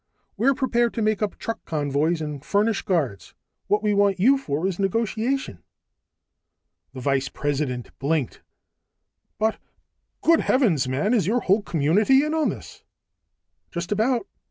"We're prepared to make up truck convoys and furnish guards; what we want you for is negotiation." The vice president blinked. "But ... good heavens, man! Is your whole community in on this?" "Just about.